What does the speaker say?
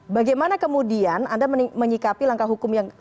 bagaimana kemudian anda menyikapi langkah hukum yang